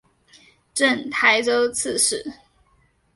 赠台州刺史。